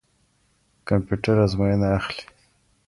کمپيوټر آزموينه اخلي.